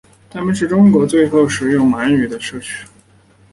他们是中国最后使用满语的社区。